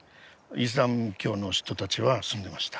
イスラム教の人たちが住んでました。